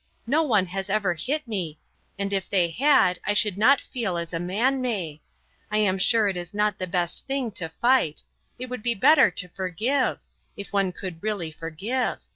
No one has ever hit me; and if they had I should not feel as a man may. I am sure it is not the best thing to fight. It would be better to forgive if one could really forgive.